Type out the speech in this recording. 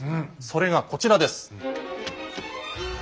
それがこちらです。